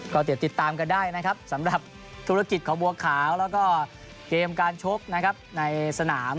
ก็ติดตามก็ได้นะครับสำหรับธุรกิจของบัวขาวก็เกมการชบในสนาม